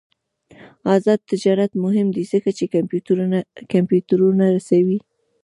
آزاد تجارت مهم دی ځکه چې کمپیوټرونه رسوي.